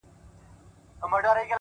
تا به د سونډو په سرونو آله زار وتړی!!